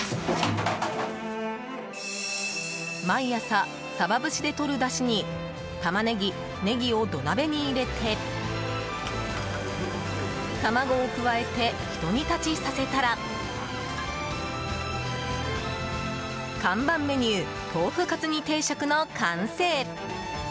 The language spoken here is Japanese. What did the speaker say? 毎朝サバ節で取る出汁にタマネギ、ネギを土鍋に入れて卵を加えてひと煮たちさせたら看板メニュー豆腐かつ煮定食の完成。